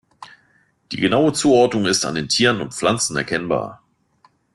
Die genaue Zuordnung ist an den Tieren und Pflanzen erkennbar.